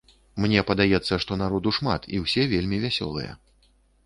Мне падаецца, што народу шмат, і ўсе вельмі вясёлыя.